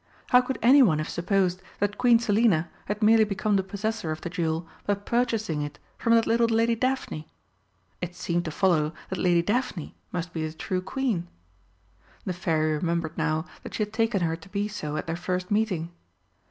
How could anyone have supposed that Queen Selina had merely become the possessor of the jewel by purchasing it from that little Lady Daphne? It seemed to follow that Lady Daphne must be the true Queen. The Fairy remembered now that she had taken her to be so at their first meeting.